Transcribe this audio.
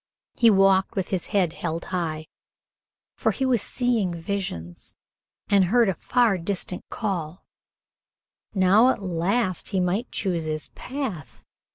He walked with head held high, for he was seeing visions, and hearing a far distant call. Now at last he might choose his path.